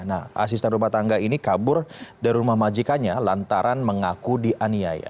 nah asisten rumah tangga ini kabur dari rumah majikannya lantaran mengaku dianiaya